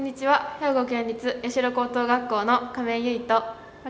兵庫県立社高等学校の亀井悠衣と。